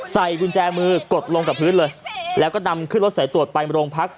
ใส่กุญแจมือกดลงกับพื้นเลยแล้วก็นำขึ้นรถสายตรวจไปโรงพัก